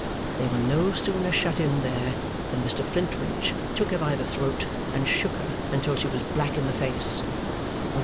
They were no sooner shut in there, than Mr Flintwinch took her by the throat, and shook her until she was black in the face.